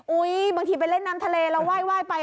บางทีไปเล่นน้ำทะเลแล้วไหว้ไป